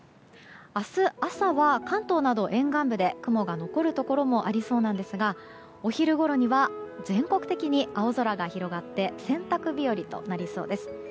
明日朝は関東など沿岸部で雲が残るところもありそうなんですがお昼ごろには全国的に青空が広がって洗濯日和となりそうです。